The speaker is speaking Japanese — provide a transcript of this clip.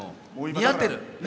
似合ってる！